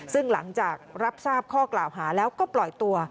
ซึ่งหลังจากรับทราบข้อกล่าวหาแล้วก็ปล่อยตัว